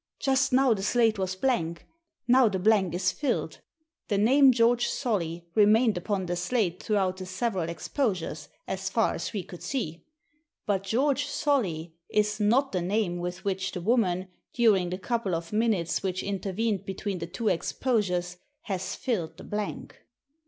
Just now the slate was blank, now the blank is filled. The name * George Solly' remained upon the slate throughout the several ex posures, so far as we could see. But * George Solly' is not the name with which the woman, during the couple of minutes which intervened between the two exposures, has filled the blank."